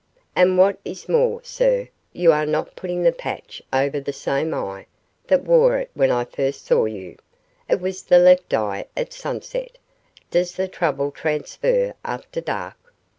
And what is more, sir, you are not putting the patch over the same eye that wore it when I first saw you. It was the left eye at sunset. Does the trouble transfer after dark?"